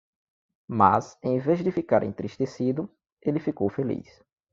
Mas em vez de ficar entristecido, ele ficou feliz.